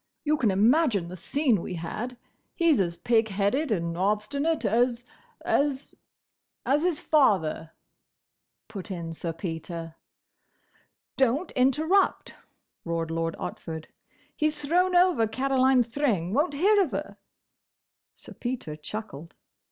You can imagine the scene we had. He's as pig headed and obstinate as—as—" "As his father," put in Sir Peter. "Don't interrupt!" roared Lord Otford. "He's thrown over Caroline Thring—won't hear of her." Sir Peter chuckled.